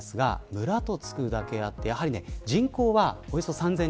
村とつくだけあってやはり人口はおよそ３０００人。